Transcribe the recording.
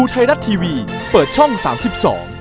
ครับดีครับ